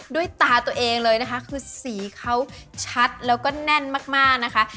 ด้วยตาตัวเองเลยนะคะคือสีเขาชัดแล้วก็แน่นมากนะคะ